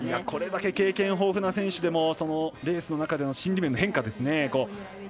これだけ経験豊富な選手でもレースの中での心理面の変化ですね。